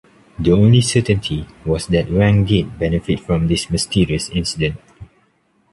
The only certainty was that Wang did benefit from this mysterious incident.